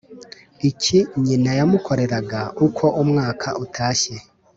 Iki nyina yamukoreraga uko umwaka utashye